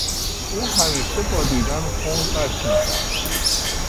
او همیشه با دیدن خون غش میکرد.